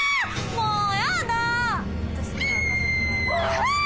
もうやだ！